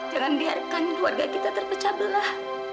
jangan biarkan warga kita terpecah belah